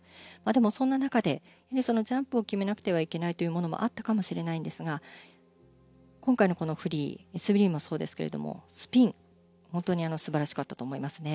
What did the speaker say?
でも、そんな中でジャンプを決めなくてはいけないこともあったかもしれないですが今回のフリー滑りもそうですけどスピン、本当に素晴らしかったと思いますね。